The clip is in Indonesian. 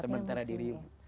sementara solatnya masih